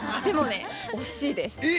でもね惜しいです。